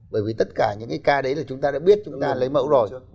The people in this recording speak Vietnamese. bởi vì tất cả những cái ca đấy là chúng ta đã biết chúng ta lấy mẫu rồi